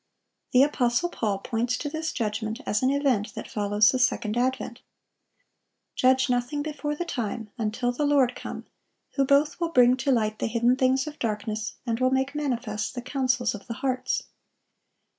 The apostle Paul points to this judgment as an event that follows the second advent. "Judge nothing before the time, until the Lord come, who both will bring to light the hidden things of darkness, and will make manifest the counsels of the hearts."